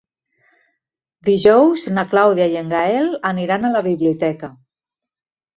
Dijous na Clàudia i en Gaël aniran a la biblioteca.